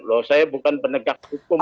loh saya bukan penegak hukum